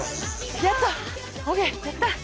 やった！